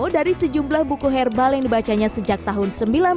dari sejumlah buku herbal yang dibacanya sejak tahun seribu sembilan ratus sembilan puluh